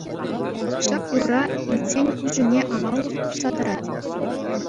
Ҫак юрра илтсен куҫ умне аваллӑх тухса тӑрать.